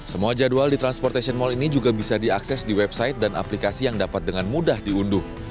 semua jadwal di transportation mall ini juga bisa diakses di website dan aplikasi yang dapat dengan mudah diunduh